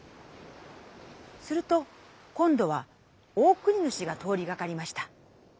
すると今どはオオクニヌシが通りかかりました。